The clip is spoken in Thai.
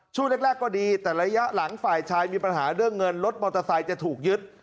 ช่วงแรกก็ดีแต่ระยะหลังฝ่ายชายมีปัญหาเรื่องเงินรถมอเตอร์ไซค์จะถูกยึด